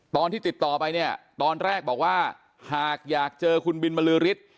ตอนที่ติดต่อไปเนี่ยตอนแรกบอกว่าหากอยากเจอคุณบินบรือฤทธิ์